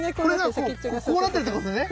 これがこうなってるってことですね。